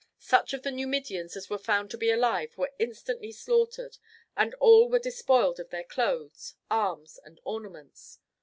Such of the Numidians as were found to be alive were instantly slaughtered, and all were despoiled of their clothes, arms, and ornaments.